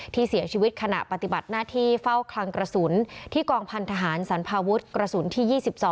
ที่เสียชีวิตขณะปฏิบัติหน้าที่เฝ้าคลังกระสุนที่กองพันธหารสรรพาวุฒิกระสุนที่๒๒